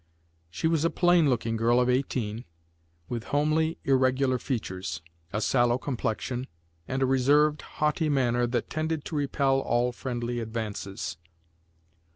She was a plain looking girl of eighteen, with homely, irregular features, a sallow complexion, and a reserved, haughty manner that tended to repel all friendly advances.